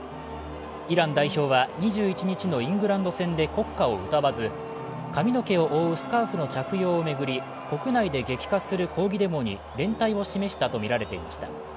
イラン代表は２１日のイングランド戦で国歌を歌わず髪の毛を覆うスカーフの着用を巡り国内で激化する抗議デモに連帯を示したとみられていました。